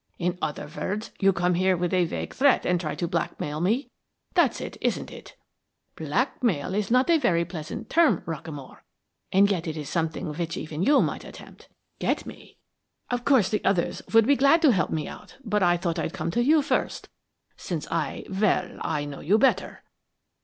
"'In other words you come here with a vague threat and try to blackmail me. That's it, isn't it?' "'Blackmail is not a very pleasant term, Rockamore, and yet it is something which even you might attempt. Get me? Of course the others would be glad to help me out, but I thought I'd come to you first, since I well, I know you better.'